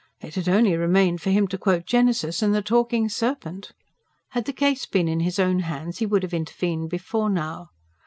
It had only remained for him to quote Genesis, and the talking serpent! Had the case been in his own hands he would have intervened before now.